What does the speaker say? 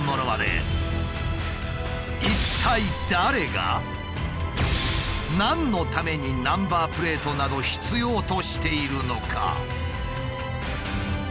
一体誰が何のためにナンバープレートなど必要としているのか？